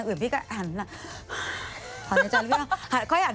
เอาเราต้องอยู่ให้เป็น